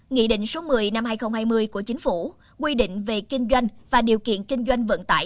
nghị định số một mươi năm hai nghìn hai mươi của chính phủ quy định về kinh doanh và điều kiện kinh doanh vận tải